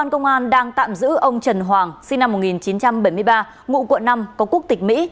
công an đang tạm giữ ông trần hoàng sinh năm một nghìn chín trăm bảy mươi ba ngụ quận năm có quốc tịch mỹ